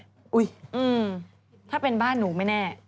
อุ๊ยถ้าเป็นบ้านหนูไม่แน่